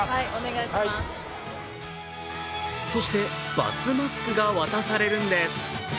そして、バツマスクが渡されるんです。